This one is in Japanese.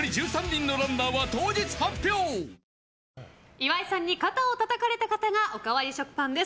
岩井さんに肩をたたかれた方がおかわり食パンです。